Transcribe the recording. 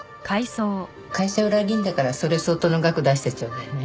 会社を裏切るんだからそれ相当の額出してちょうだいね。